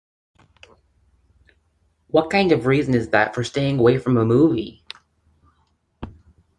What kind of reason is that for staying away from a movie?